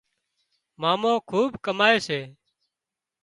مامو کُوٻ ڪامائي سي